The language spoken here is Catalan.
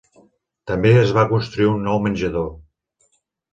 També es va construir un nou menjador.